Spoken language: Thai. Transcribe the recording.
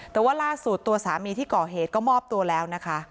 แต่ว่าล่าสุดตัวสามีที่ก่อเหตุก็มอบตัวแล้วนะคะ